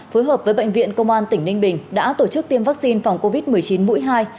phối hợp với bệnh viện công an tỉnh ninh bình đã tổ chức tiêm vaccine phòng covid một mươi chín mũi hai